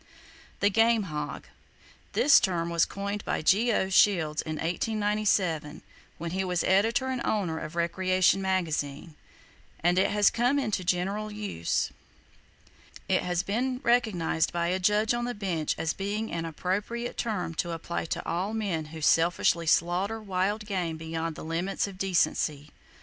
The Game Hog. —This term was coined by G.O. Shields, in 1897, when he was editor and owner of Recreation Magazine, and it has come into general use. It has been recognized by a judge on the bench as being an appropriate term to apply to all men who selfishly slaughter wild game beyond the limits of decency.